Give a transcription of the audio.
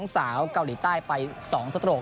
สาวเกาหลีใต้ไป๒สโตรก